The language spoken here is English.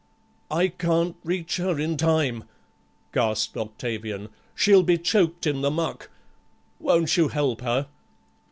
"I can't reach her in time," gasped Octavian, "she'll be choked in the muck. Won't you help her?"